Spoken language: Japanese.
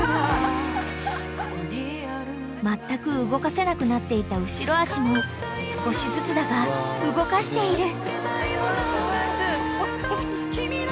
［まったく動かせなくなっていた後ろ脚も少しずつだが動かしている］